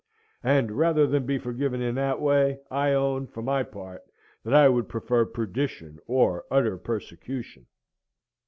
And rather than be forgiven in that way, I own, for my part, that I would prefer perdition or utter persecution.